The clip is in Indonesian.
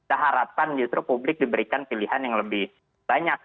tentu seharapan justru publik diberikan pilihan yang lebih banyak